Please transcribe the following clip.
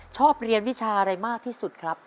ชอบเรียนวิชาอะไรมากที่สุดครับ